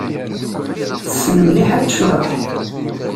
Tessen mliḥ ad tecḍeḥ.